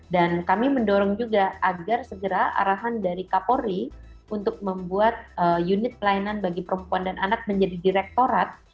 dan kami mendorong juga agar segera arahan dari kapolri untuk membuat unit pelayanan bagi perempuan dan anak menjadi direktorat